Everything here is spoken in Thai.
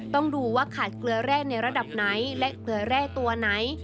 ต้องดูว่าขาดเกลือแร่ในระดับไหนและเกลือแร่ตัวไหน